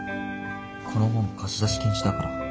この本貸し出し禁止だから。